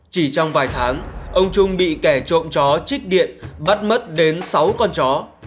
chỉ trong vài tháng ông trung bị kẻ trộm chó chích điện bắt mất đến sáu con chó